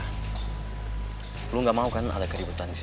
hai lu nggak mau kan ada keributan sini